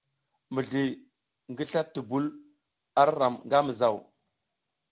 Mizli ngi sla bitul a ram nga mizaw.